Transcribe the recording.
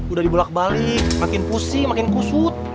udah dibolak balik makin pusing makin kusut